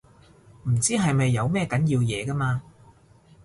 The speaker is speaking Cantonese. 唔知係咪有咩緊要嘢㗎嘛